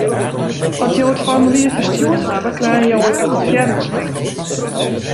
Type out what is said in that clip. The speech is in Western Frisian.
At jo it formulier ferstjoerd hawwe, krijge jo in aktivearringslink.